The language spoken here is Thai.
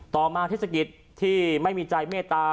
ต่อมาเทศกิจที่ไม่มีใจเมตตา